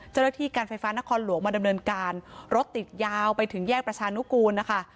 เจ้าหน้าที่การไฟฟ้านครหลวงมาดำเนินการรถติดยาวไปถึงแยกประชานุกูลนะคะ